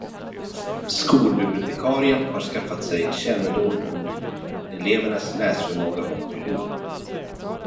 Skolbibliotekarien har skaffat sig kännedom om elevernas läsförmåga och behov.